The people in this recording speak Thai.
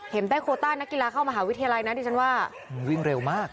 ได้โคต้านักกีฬาเข้ามหาวิทยาลัยนะดิฉันว่ามันวิ่งเร็วมาก